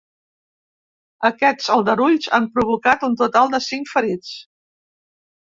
Aquests aldarulls han provocat un total de cinc ferits.